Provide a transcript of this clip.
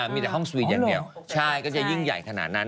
มีแต่ห้องสวีทอย่างเดียวใช่ก็จะยิ่งใหญ่ขนาดนั้น